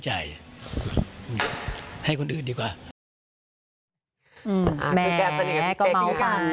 แหมกก็เมาว์ไป